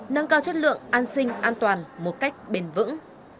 nâng cao chất lượng an sinh an toàn một cách bền vững